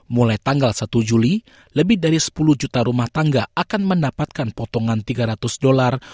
mulai tanggal satu juli lebih dari sepuluh juta rumah tangga akan mendapatkan potongan tiga ratus dolar